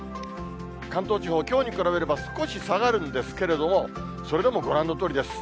関東地方、きょうに比べれば少し下がるんですけれども、それでもご覧のとおりです。